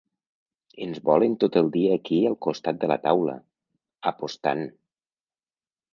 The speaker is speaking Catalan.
Ens volen tot el dia aquí al costat de la taula, apostant.